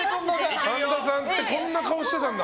神田さんってこんな顔してたんだ。